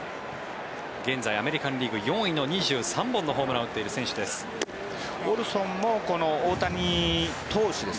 現在アメリカン・リーグ４位の２３本のホームランを打っている選手です。